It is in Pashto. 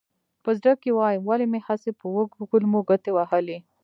په زړه کې وایم ولې مې هسې په وږو کولمو ګوتې وهې.